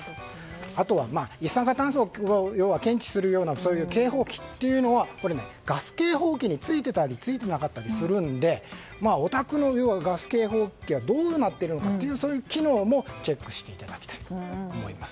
あとは一酸化炭素を検知するようなそういう警報器というのはガス警報器についてたりついていなかったりするのでお宅のガス警報器はどうなっているのかというそういう機能もチェックをしていただきたいと思います。